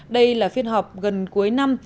đây là phiên họp gần cuối năm